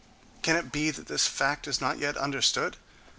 Can it be that this fact is not yet understood?